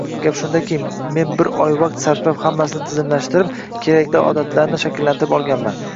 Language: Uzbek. Gap shundaki, men bir oy vaqt sarflab hammasini tizimlashtirib, kerakli odatlarni shakllantirib olganman.